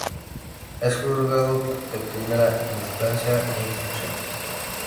Es Juzgado de Primera Instancia e Instrucción.